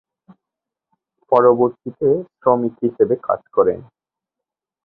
পরবর্তীতে শ্রমিক হিসেবে কাজ করেন।